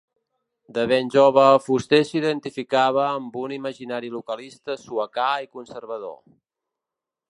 De ben jove, Fuster s'identificava amb un imaginari localista suecà i conservador.